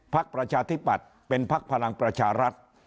ประชาธิปัตย์เป็นพักพลังประชารัฐ